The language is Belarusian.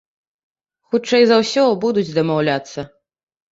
Хутчэй за ўсё, будуць дамаўляцца.